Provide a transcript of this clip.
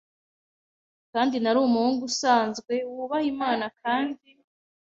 Kandi nari umuhungu usanzwe, wubaha Imana, kandi